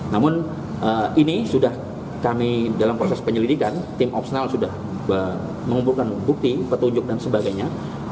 namun ini sudah kami dalam proses penyelidikan tim opsenal sudah mengumpulkan bukti petunjuk dan sebagainya